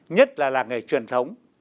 nhất là làng nghề truyền thống